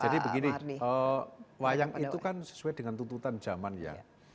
jadi begini wayang itu kan sesuai dengan tuntutan zaman ya